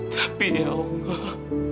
tapi ya allah